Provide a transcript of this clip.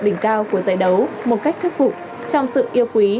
đỉnh cao của giải đấu một cách thuyết phục trong sự yêu quý